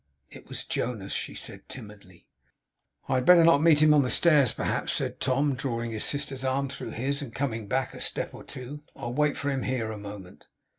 It was Jonas, she said timidly. 'I had better not meet him on the stairs, perhaps,' said Tom, drawing his sister's arm through his, and coming back a step or two. 'I'll wait for him here, a moment.